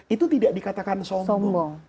itu tidak dikatakan sombong